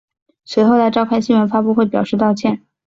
随后他召开新闻发布会表示道歉。